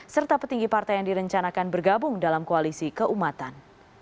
serta petinggi partai yang direncanakan bergabung dalam koalisi keumatan